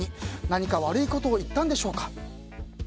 何か悪いことを言ったんでしょうか？